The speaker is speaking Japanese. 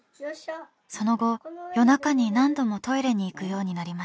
その後夜中に何度もトイレに行くようになりました。